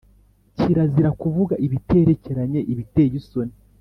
kirazira kuvuga ibiterekeranye, ibiteye isoni